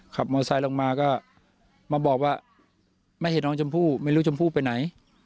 มอไซค์ลงมาก็มาบอกว่าไม่เห็นน้องชมพู่ไม่รู้ชมพู่ไปไหน